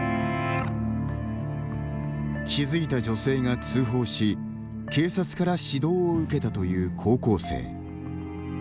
気付いた女性が通報し、警察から指導を受けたという高校生。